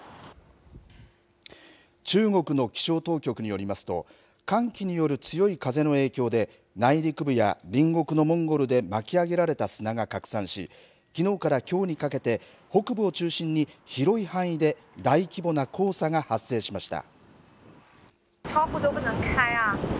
中国の気象当局によりますと、寒気による強い風の影響で、内陸部や隣国のモンゴルで巻き上げられた砂が拡散し、きのうからきょうにかけて、北部を中心に、広い範囲で大規模な黄砂が発生しました。